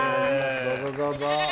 どうぞどうぞ。